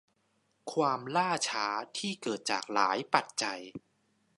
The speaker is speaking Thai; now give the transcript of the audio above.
ความล่าช้าที่เกิดจากหลายปัจจัย